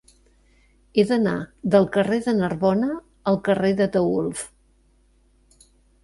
He d'anar del carrer de Narbona al carrer d'Ataülf.